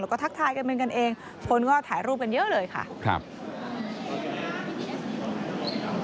แล้วก็ทักทายกันเป็นกันเองคนก็ถ่ายรูปกันเยอะเลยค่ะครับ